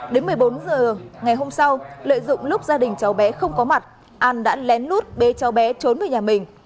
đến một mươi bốn h ngày hôm sau lợi dụng lúc gia đình cháu bé không có mặt an đã lén lút bế cháu bé trốn về nhà mình